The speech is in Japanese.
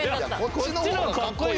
こっちの方がかっこいい！